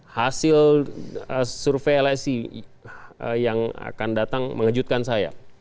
hasil survei lsi yang akan datang mengejutkan saya